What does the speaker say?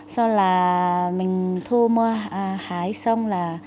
sau là mình thu mua hái xong là